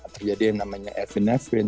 terjadi yang namanya evinefrin